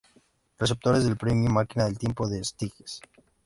Receptores del premio Máquina del Tiempo en Sitges.